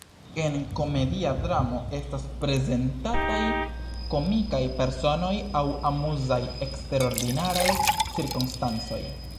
En komedia dramo estas prezentataj komikaj personoj aŭ amuzaj eksterordinaraj cirkonstancoj.